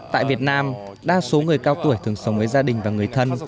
tại việt nam đa số người cao tuổi thường sống với gia đình và người thân